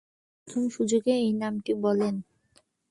প্রথম সুযোগে এই নামটি বললেন।